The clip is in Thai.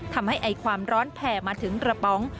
ทำให้ไอความร้อนแผ่มาถึงกระป๋อง